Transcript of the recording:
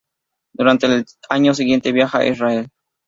Durante el año siguiente viaja a Israel.